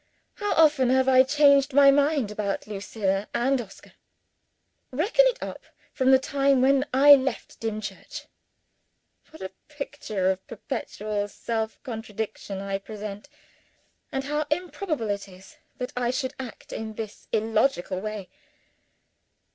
How often have I changed my mind about Lucilla and Oscar? Reckon it up, from the time when I left Dimchurch. What a picture of perpetual self contradiction I present and how improbable it is that I should act in this illogical way!